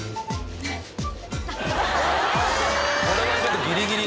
これはちょっとギリギリ。